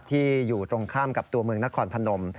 อยู่ตรงข้ามกับตัวเมืองนครพนม